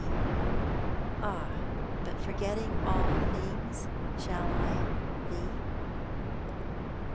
AH, BUT, FORGETTING ALL THINGS, SHALL I THEE